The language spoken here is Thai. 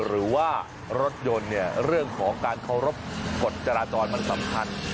หรือว่ารถยนต์เนี่ยเรื่องของการเคารพกฎจราจรมันสำคัญ